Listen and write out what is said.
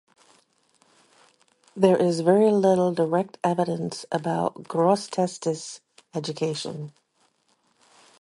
There is very little direct evidence about Grosseteste's education.